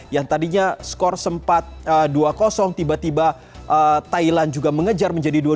yang tadinya skor sempat dua tiba tiba thailand juga mengejar menjadi dua